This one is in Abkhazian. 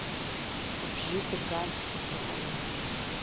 Сбжьы сыргаанӡа ахысра ҟалом!